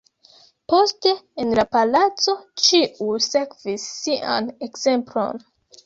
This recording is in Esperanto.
Poste, en la palaco ĉiuj sekvis Sian ekzemplon.